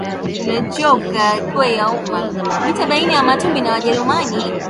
Vita baina ya Wamatumbi na Wajerumani